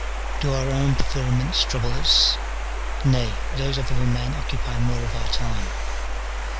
Do our own pre ferments trouble us ? nay, those of other men occupy more of our time.